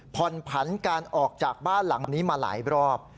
ผ่อนผันการออกจากบ้านหลังนี้มาหลายรอบ